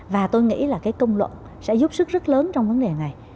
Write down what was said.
và tôi nghĩ là cái công luận sẽ giúp sức rất lớn trong vấn đề này